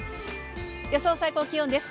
予想最高気温です。